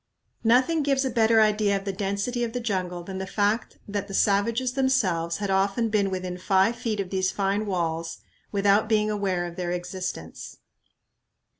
Nothing gives a better idea of the density of the jungle than the fact that the savages themselves had often been within five feet of these fine walls without being aware of their existence.